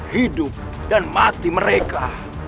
hidup dan mati mereka